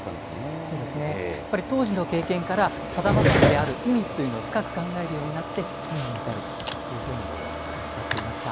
そうですね、やはり当時の経験から、さだまさしである意味というのを深く考えるようになって、今に至るというふうにおっしゃっていました。